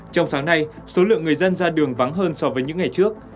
trong sáng nay số lượng người dân ra đường vắng hơn so với những ngày trước